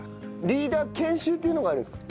リーダー研修というのがあるんですか？